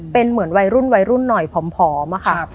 เป็นเหมือนวัยรุ่นหน่อยผอมอะค่ะ